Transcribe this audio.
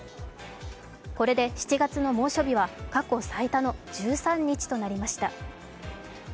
これで７月の猛暑日は過去最多の１３日となりました。